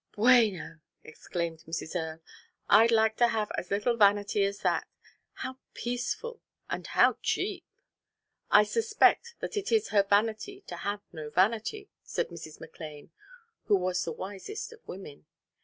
"Bueno!" exclaimed Mrs. Earle, "I'd like to have as little vanity as that. How peaceful, and how cheap!" "I suspect that it is her vanity to have no vanity," said Mrs. McLane, who was the wisest of women.